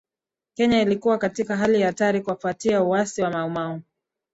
Kenya ilikuwa katika hali ya hatari kufuatia uasi wa Mau Mau